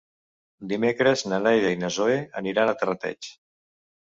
Dimecres na Neida i na Zoè aniran a Terrateig.